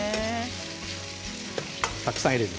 たくさん入れる。